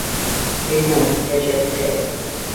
এই নাও, শেষ একটাই আছে।